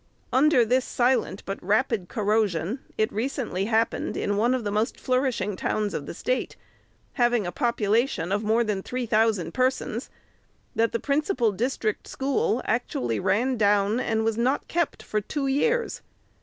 Under this silent, but rapid corrosion, it recently happened, in one of the most flourishing towns of the State, having a population of more than three thousand persons, that the principal district school actually ran down and was not kept for two years.